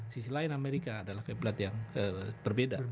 sisi lain amerika adalah kablat yang berbeda